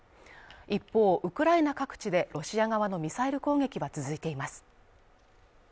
一方、ウクライナ各地でロシア側のミサイル攻撃は続いています。